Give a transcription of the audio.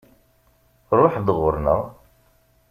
Ṛuḥ-d ɣuṛ-nneɣ!